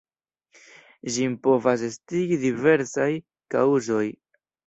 Ĝin povas estigi diversaj kaŭzoj.